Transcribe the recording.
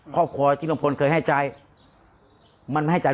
โปรดติดตามต่อไป